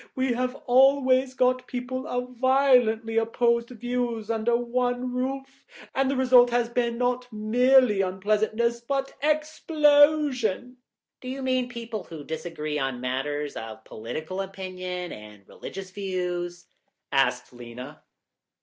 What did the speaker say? We have always got people of violently opposed views under one roof, and the result has been not merely unpleasantness but explosion." "Do you mean people who disagree on matters of political opinion and religious views?" asked Lena.